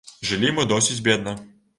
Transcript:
Жылі мы досыць бедна.